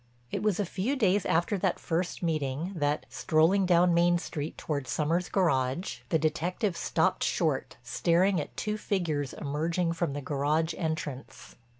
It was a few days after that first meeting that, strolling down Main Street toward Sommers' garage, the detective stopped short, staring at two figures emerging from the garage entrance.